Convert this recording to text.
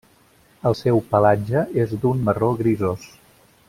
El seu pelatge és d'un marró grisós.